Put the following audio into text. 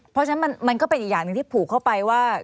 เพราะฉะนั้นมันก็เป็นอีกอย่างหนึ่งที่ผูกเข้าไปว่า